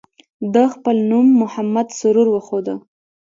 ده خپل نوم محمد سرور وښوده.